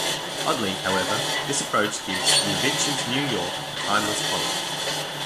Oddly, however, this approach gives Levitch's New York a timeless quality.